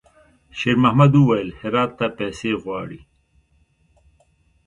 شېرمحمد وويل: «هرات ته پیسې غواړي.»